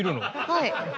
はい。